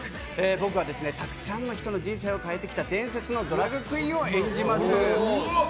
僕はたくさんの人の人生を変えてきた伝説のドラァグクイーンを演じます。